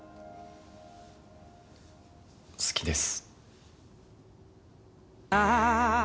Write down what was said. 好きです。